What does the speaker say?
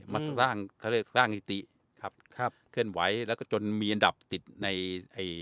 มาสร้างสร้างพิติครับครับเคลื่อนไหวแล้วก็จนมีอันดับติดในเอ่ย